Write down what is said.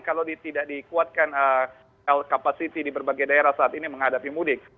kalau tidak dikuatkan health capacity di berbagai daerah saat ini menghadapi mudik